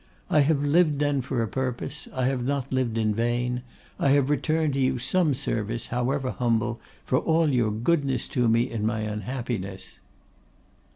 I have lived then for a purpose; I have not lived in vain; I have returned to you some service, however humble, for all your goodness to me in my unhappiness.